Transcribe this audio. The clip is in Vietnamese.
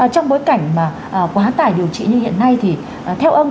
trong bối cảnh mà quá tải điều trị như hiện nay thì theo ông